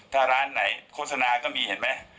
ถ้าร้านไหนโฆษณาก็มีเห็นไหม